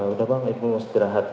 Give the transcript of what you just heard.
udah bang ibu mesti dirahat